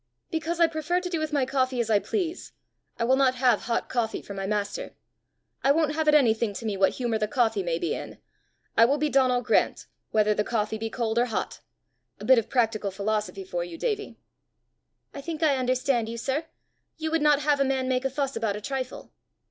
"Because I prefer to do with my coffee as I please; I will not have hot coffee for my master. I won't have it anything to me what humour the coffee may be in. I will be Donal Grant, whether the coffee be cold or hot. A bit of practical philosophy for you, Davie!" "I think I understand you, sir: you would not have a man make a fuss about a trifle."